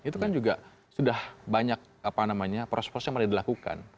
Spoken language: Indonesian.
itu kan juga sudah banyak proses proses yang pernah dilakukan